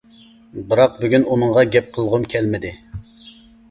بىراق بۈگۈن ئۇنىڭغا گەپ قىلغۇم كەلمىدى.